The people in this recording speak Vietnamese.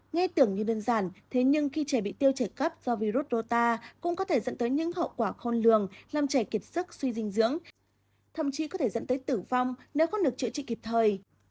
nghe tưởng như đơn giản thế nhưng khi trẻ bị tiêu chảy cấp do virus rota cũng có thể dẫn tới những hậu quả khôn lường làm chảy kiệt sức suy dinh dưỡng thậm chí có thể dẫn tới tử vong nếu không được chữa trị kịp thời